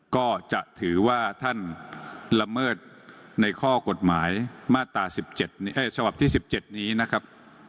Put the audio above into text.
ก็จะถือว่าท่านละเมิดในข้อกฎหมายมาตรา๑๗ฉบับที่๑๗นี้นะครับ